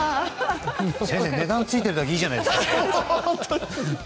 先生、値段がついてるだけいいじゃないですか。